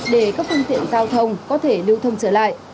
để các phương tiện giao thông có thể lưu thông trở lại